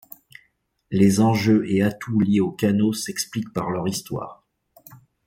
Les enjeux et atouts liés aux canaux s'expliquent par leur histoire.